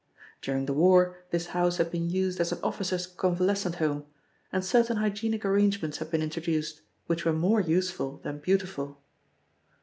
During the war this house had been used as an officers' convalescent home, and certain hygienic arrangements had been introduced, which were more useful than beautiful.